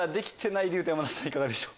いかがでしょう？